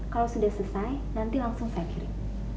kalau sudah selesai nanti langsung saya kirim